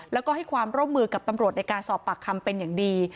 แล้วก็ให้ความร่วมมือกับตำรวจในการสอบปากคำเป็นอย่างดี